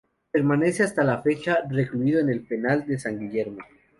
Permanece hasta la fecha recluido en el penal de San Guillermo.